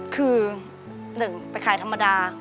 คือหนึ่งไปขายธรรมดา